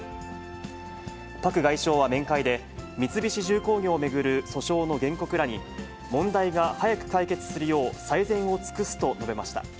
パク外相は面会で、三菱重工業を巡る訴訟の原告らに、問題が早く解決するよう、最善を尽くすと述べました。